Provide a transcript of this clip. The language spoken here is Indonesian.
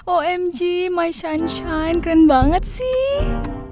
omg my channe keren banget sih